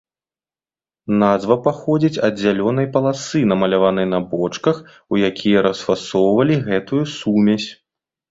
Назва паходзіць ад зялёнай паласы, намаляванай на бочках, у якія расфасоўвалі гэтую сумесь.